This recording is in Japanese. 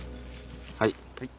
はい。